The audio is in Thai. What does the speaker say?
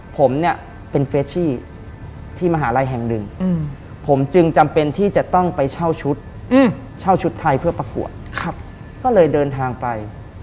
ผมจึงจำเป็นที่จะต้องไปเช่าชุดเช่าชุดไทยเพื่อปรากวดก็เลยเดินทางไป